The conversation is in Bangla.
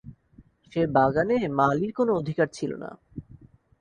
সে বাগানে মালীর কোনো অধিকার ছিল না।